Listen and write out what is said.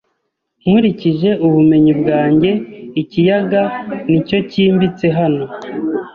Nkurikije ubumenyi bwanjye, ikiyaga nicyo cyimbitse hano.